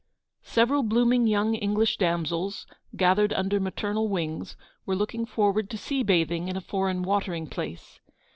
Several blooming young English damsels, gathered under maternal wings, were looking forward to sea bathing in a foreign watering place.